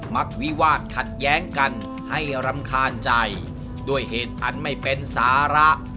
มักวิวาสขัดแย้งกันให้รำคาญใจด้วยเหตุอันไม่เป็นสาระ